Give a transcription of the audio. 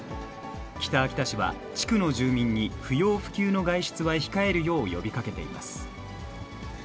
北秋田市は、地区の住民に不要不急の外出は控えるよう呼びかけています。